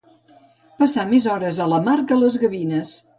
Passar més hores a la mar que les gavines.